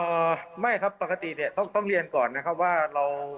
เอ่อไม่ครับปกติเนี้ยต้องต้องเรียนก่อนนะครับว่าเรา